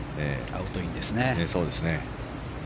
アウト、インですね。